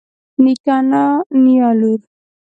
نيکه انا نيا لور